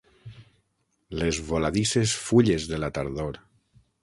Les voladisses fulles de la tardor.